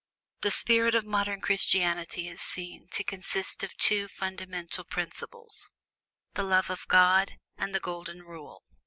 The spirit of modern Christianity is seen to consist of two fundamental principles, viz.: (1) the love of God; and (2) the Golden Rule.